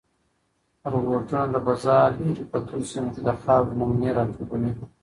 روبوټونه د فضا په لیرې پرتو سیمو کې د خاورې نمونې راټولوي.